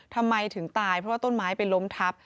ทำไมถึงตายเพราะว่าต้นไม้ไปล้มทับ